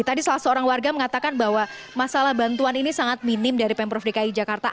tadi salah seorang warga mengatakan bahwa masalah bantuan ini sangat minim dari pemprov dki jakarta